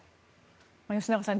吉永さん